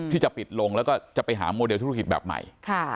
ที่จะปิดลงแล้วก็จะไปหาโมเดลธุรกิจแบบใหม่